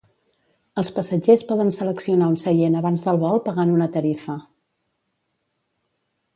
Els passatgers poden seleccionar un seient abans del vol pagant una tarifa.